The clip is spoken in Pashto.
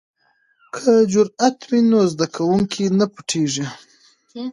که جرئت وي نو زده کوونکی نه پټیږي.